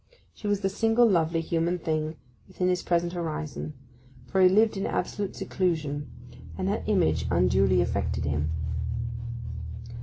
She was the single lovely human thing within his present horizon, for he lived in absolute seclusion; and her image unduly affected him.